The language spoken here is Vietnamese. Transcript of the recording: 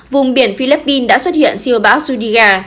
vùng biển philippines đã xuất hiện siêu bão zuliga